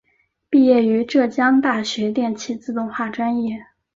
毕业于浙江大学电气自动化专业。